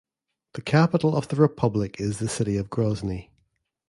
The capital of the republic is the city of Grozny.